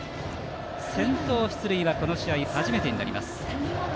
先頭出塁はこの試合初めてになります。